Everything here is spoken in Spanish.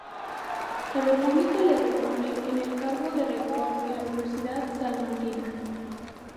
La República le repone en el cargo de rector de la Universidad salmantina.